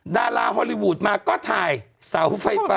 ดาราฮอลลีวูดมาก็ถ่ายเสาไฟฟ้า